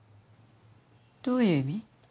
どういう意味？